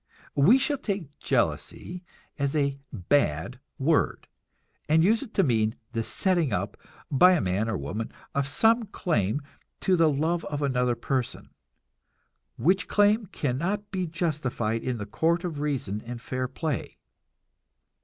We shall take jealousy as a "bad" word, and use it to mean the setting up, by a man or woman, of some claim to the love of another person, which claim cannot be justified in the court of reason and fair play.